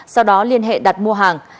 sau đó liên hệ đặt mua hàng